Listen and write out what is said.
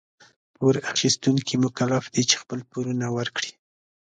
پور اخيستونکي مکلف دي چي خپل پورونه ورکړي.